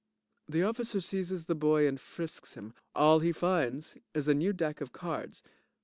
(The OFFICER seizes the boy and frisks him. All he finds is a new deck of cards.